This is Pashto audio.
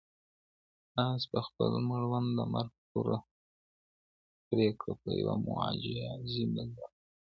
آس په خپل مړوند د مرګ توره پرېکړه په یوې معجزې بدله کړه.